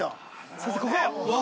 先生、ここ。